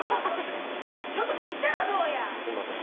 ちょっと切ったらどうや。